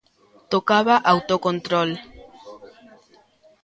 Tocaba autocontrol.